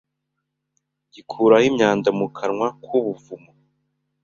gikuraho imyanda mu kanwa kubuvumo